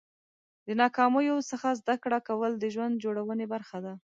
د ناکامیو څخه زده کړه کول د ژوند جوړونې برخه ده.